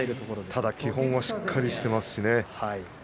ただ基本はしっかりしています。